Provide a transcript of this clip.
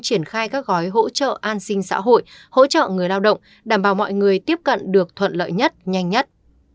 triển khai các gói hỗ trợ an sinh xã hội hỗ trợ người lao động đảm bảo mọi người tiếp cận được thuận lợi nhất nhanh nhất